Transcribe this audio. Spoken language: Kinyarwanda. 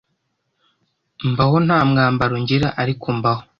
mbaho nta mwambaro ngira ariko mbaho,